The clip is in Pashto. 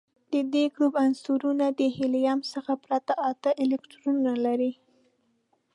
د دې ګروپ عنصرونه د هیلیم څخه پرته اته الکترونونه لري.